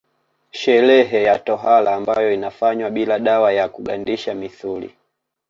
Sherehe ya tohara ambayo inafanywa bila dawa ya kugandisha misuli